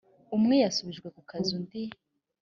umwe yasubijwe ku kazi undi